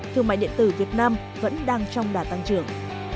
thương mại điện tử việt nam vẫn đang trong đà tăng trưởng